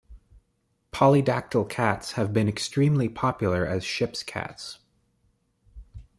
Polydactyl cats have been extremely popular as ship's cats.